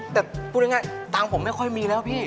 แต่พูดง่ายตังค์ผมไม่ค่อยมีแล้วพี่